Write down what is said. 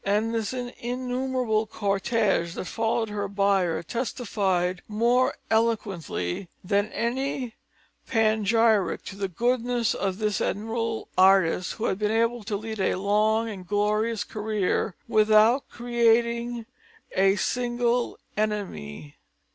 And this innumerable cortège that followed her bier testified more eloquently than any panegyric to the goodness of this admirable artist who had been able to lead a long and glorious career without creating a single enemy.